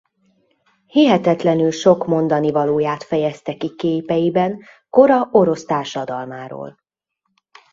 Hihetetlenül sok mondanivalóját fejezte ki képeiben kora orosz társadalmáról.